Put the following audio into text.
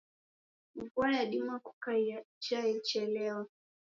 Vua yadima kukaia ija yechelewa.